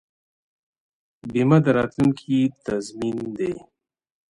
بیمه د راتلونکي تضمین دی.